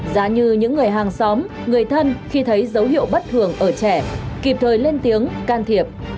giá như những người hàng xóm người thân khi thấy dấu hiệu bất thường ở trẻ kịp thời lên tiếng can thiệp